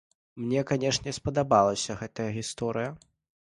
Мне, канешне, спадабалася гэта гісторыя!